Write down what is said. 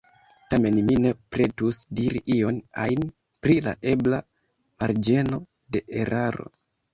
Tamen mi ne pretus diri ion ajn pri la ebla “marĝeno de eraro”.